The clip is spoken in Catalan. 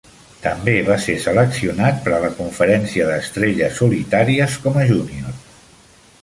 També va ser seleccionat per a la Conferència d'Estrelles Solitàries com a júnior.